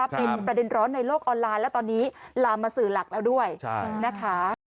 เป็นประเด็นร้อนในโลกออนไลน์และตอนนี้ลามมาสื่อหลักแล้วด้วยนะคะ